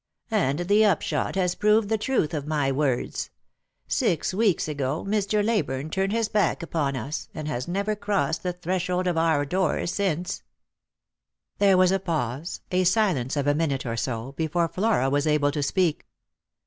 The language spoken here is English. And the upshot has proved the truth of my words. Six weeks ago Mr. Leyburne turned his back upon us, and has never crossed the threshold of our door since." There was a pause, a silence of a minute or so, before Flora was able to speak.